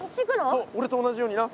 そうおれと同じようにな。